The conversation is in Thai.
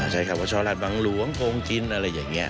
ใช้คำว่าช่อราชบังหลวงโกงกินอะไรอย่างนี้